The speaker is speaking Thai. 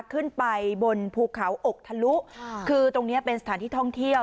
ขึ้นไปบนภูเขาอกทะลุคือตรงเนี้ยเป็นสถานที่ท่องเที่ยว